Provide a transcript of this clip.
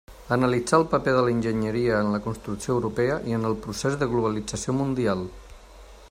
Analitzar el paper de l'enginyeria en la construcció europea i en el procés de globalització mundial.